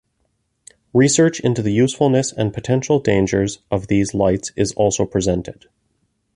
Research into the usefulness and potential dangers of these lights is also presented.